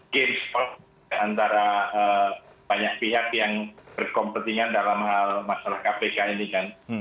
game spot antara banyak pihak yang berkompetensi dalam hal masalah kpk ini kan